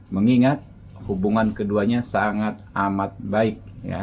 mengingat hubungan keduanya sangat amat baik